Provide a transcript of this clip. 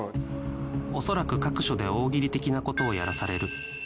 恐らく各所で大喜利的な事をやらされる